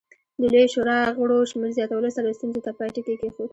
د لویې شورا غړو شمېر زیاتولو سره ستونزې ته پای ټکی کېښود.